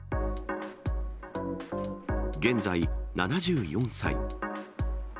現在、７４歳。